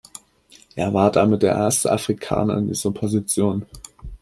Er war damit der erste Afrikaner in dieser Position.